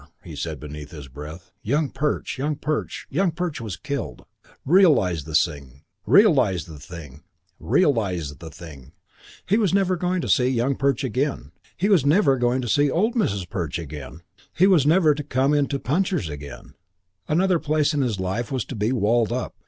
He said beneath his breath, "Young Perch! Young Perch!" Young Perch was killed. Realise the thing! He was never going to see Young Perch again. He was never going to see old Mrs. Perch again. He was never to come into Puncher's again. Another place of his life was to be walled up.